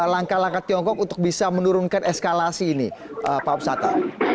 langkah langkah tiongkok untuk bisa menurunkan eskalasi ini pak upsata